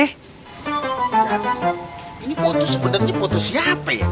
ini foto sebenarnya foto siapa ya